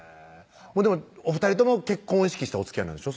でもお２人とも結婚を意識したおつきあいなんでしょ？